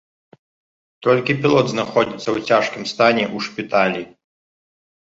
Толькі пілот знаходзіцца ў цяжкім стане ў шпіталі.